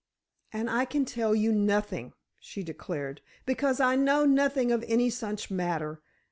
"And I can tell you nothing," she declared, "because I know nothing of any such matter.